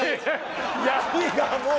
槍がもう！